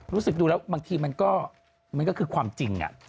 รู้สึกดูแล้วบางทีมันก็คือความจริง